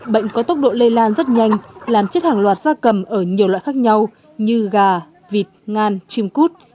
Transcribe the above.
bệnh có tốc độ lây lan rất nhanh làm chết hàng loạt gia cầm ở nhiều loại khác nhau như gà vịt ngan chim cút